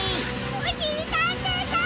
おしりたんていさん！